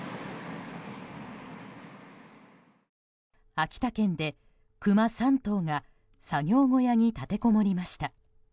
秋田県でクマ３頭が作業小屋に立てこもりました。